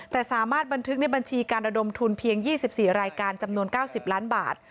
แต่สามารถบันทึกในบัญชีการระดมทุนเพียง๒๔รายการจำนวน๙๐ล้านบาท